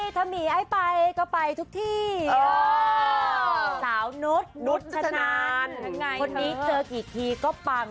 คนนี้เจอกี๊กีกีก็ปปัง